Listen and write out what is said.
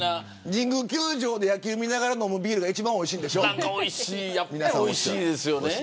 神宮球場で野球を見ながら飲むビールがやっぱりおいしいですね。